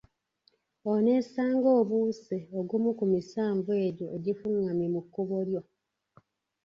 Oneesanga obuuse ogumu ku misanvu egyo egifungamye mu kkubo lyo.